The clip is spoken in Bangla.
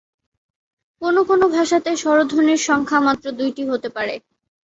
কোন কোন ভাষাতে স্বরধ্বনির সংখ্যা মাত্র দুইটি হতে পারে।